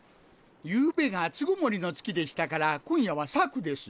ゆうべがつごもりの月でしたから今夜は朔です。